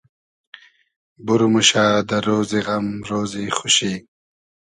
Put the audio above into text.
بور موشۂ دۂ رۉزی غئم رۉزی خوشی